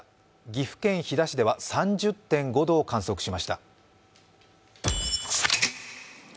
岐阜県飛騨市では３０．５度を観測しました。